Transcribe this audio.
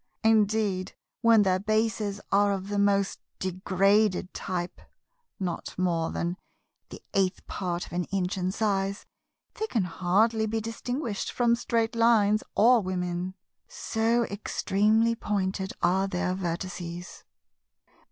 Indeed when their bases are of the most degraded type (not more than the eighth part of an inch in size), they can hardly be distinguished from Straight lines or Women; so extremely pointed are their vertices.